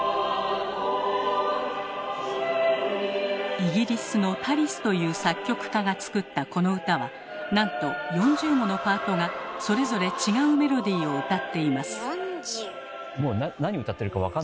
イギリスのタリスという作曲家が作ったこの歌はなんと４０ものパートがそれぞれ違うメロディーを歌っています。